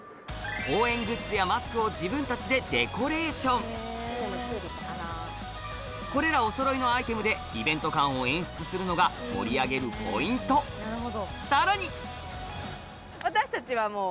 応援グッズやマスクを自分たちでデコレーションこれらおそろいのアイテムでイベント感を演出するのが盛り上げるポイントさらに！